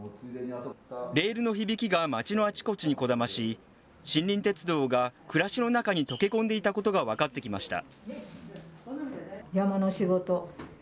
レールの響きが町のあちこちにこだまし、森林鉄道が暮らしの中に溶け込んでいたことが分かってきました。